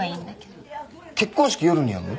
結婚式夜にやるの！？